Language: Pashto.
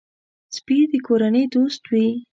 سپي د کورنۍ دوست وي.